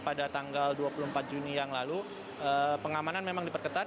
pada tanggal dua puluh empat juni yang lalu pengamanan memang diperketat